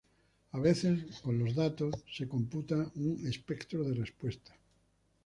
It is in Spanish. A veces, con los datos, se computa un espectro de respuesta.